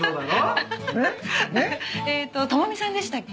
えっと朋美さんでしたっけ？